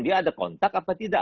dia ada kontak apa tidak